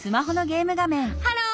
ハロー！